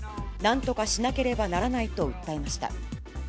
なんとかしなければならないと訴えました。